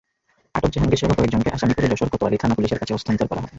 আটক জাহাঙ্গীরসহ কয়েকজনকে আসামি করে যশোর কোতোয়ালি থানা-পুলিশের কাছে হস্তান্তর করা হবে।